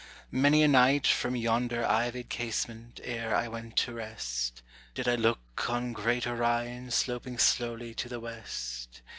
Many a night from yonder ivied casement, ere I went to rest, Did I look on great Orion sloping slowly to the west.